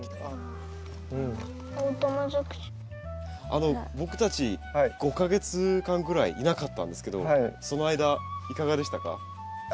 あの僕たち５か月間ぐらいいなかったんですけどその間いかがでしたか？